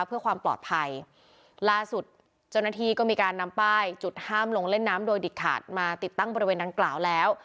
เพื่อความปลอดภัยล่าสุดเจ้าหน้าที่ก็มีการนำป้ายจุดห้ามลงเล่นน้ำโดยเด็ดขาดมาติดตั้งบริเวณดังกล่าวแล้ว